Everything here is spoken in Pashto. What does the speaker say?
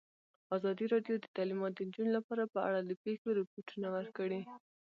ازادي راډیو د تعلیمات د نجونو لپاره په اړه د پېښو رپوټونه ورکړي.